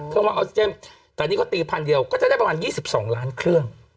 ว่าออกซิเจนแต่นี่เขาตีพันเดียวก็จะได้ประมาณ๒๒ล้านเครื่อง